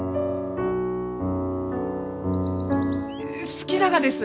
好きながです！